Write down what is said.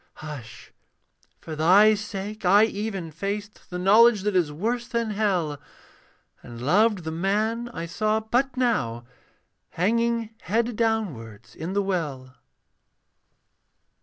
Hush! for thy sake I even faced The knowledge that is worse than hell; And loved the man I saw but now Hanging head downwards in the well.